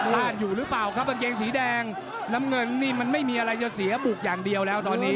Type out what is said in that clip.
ลาดอยู่หรือเปล่าครับกางเกงสีแดงน้ำเงินนี่มันไม่มีอะไรจะเสียบุกอย่างเดียวแล้วตอนนี้